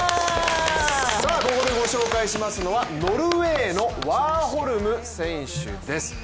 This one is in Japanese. ここでご紹介しますのはノルウェーのワーホルム選手です。